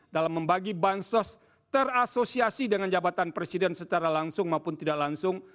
dalam membagi bansos terasosiasi dengan jabatan presiden secara langsung maupun tidak langsung